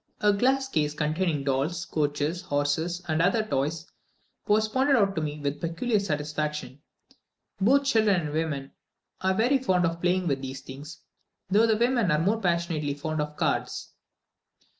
A glass case containing dolls, coaches, horses, and other toys, was pointed out to me with peculiar satisfaction; both children and women are very fond of playing with these things, though the women are more passionately fond of cards.